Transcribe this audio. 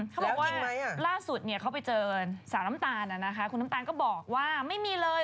เขาบอกว่าล่าสุดเขาไปเจอสาวน้ำตาลคุณน้ำตาลก็บอกว่าไม่มีเลย